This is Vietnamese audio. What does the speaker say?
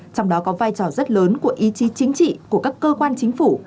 trong đó có vai trò rất lớn của ý chí chính trị của các cơ quan chính phủ